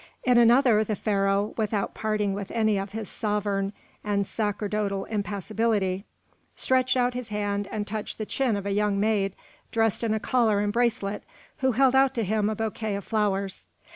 In another the Pharaoh, without parting with any of his sovereign and sacerdotal impassibility, stretched out his hand and touched the chin of a young maid dressed in a collar and bracelet, who held out to him a bouquet of flowers.